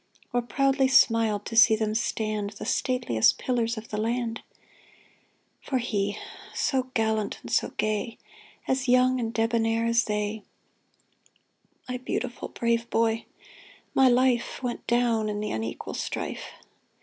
Or proudly smiled to see them stand The stateliest pillars of the land ! For he, so gallant and so gay, As young and debonair as they, My beautiful, brave boy, my life, Went down in the unequal strife